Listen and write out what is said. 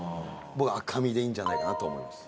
僕赤身でいいんじゃないかなと思います。